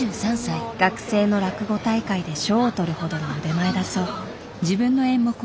学生の落語大会で賞をとるほどの腕前だそう。